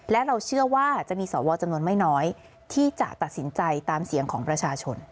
และเราเชื่อว่าจะมีสวจำนวนไม่น้อยที่จะตัดสินใจตามเสียงของประชาชน